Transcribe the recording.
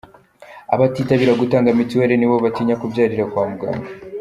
Abatitabira gutanga mituweli ni bo batinya kubyarira kwa muganga.